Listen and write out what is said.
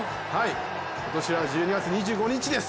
今年は１２月２５日です！